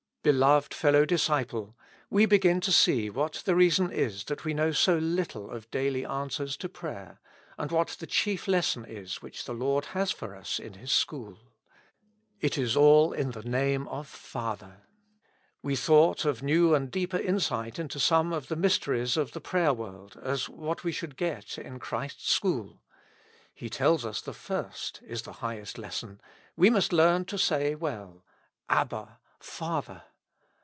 Beloved fellow disciple ! we begin to see what the reason is that we know so little of daily answers to prayer, and what the chief lesson is which the Lord has for us in His school. It is all in the name of 51 Willi Christ in the School of Prayer. Father. We thought of new and deeper insight into some of the mysteries of the prayer world as what we should get in Christ's school ; He tells us the first is the highest lesson ; we must learn to say well, "Abba, Father!"